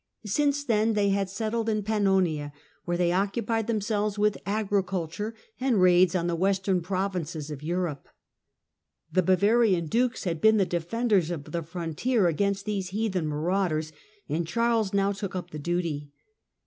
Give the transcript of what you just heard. Since then they had settled in Pannonia, where they occupied themselves with agri culture and raids on the western provinces of Europe. The Bavarian dukes had been the defenders of the frontier against these heathen marauders and Charles now took up the duty.